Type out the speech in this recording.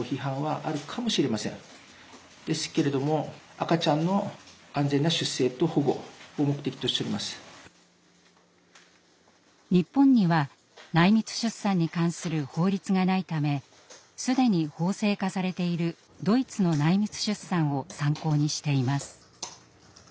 お母さんの日本には内密出産に関する法律がないため既に法制化されているドイツの内密出産を参考にしています。